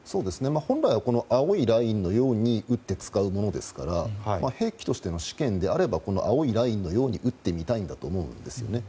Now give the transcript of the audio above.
本来は、この青いラインのように使うものですから兵器としての試験であれば青いラインのように撃ってみたいんだと思うんですね。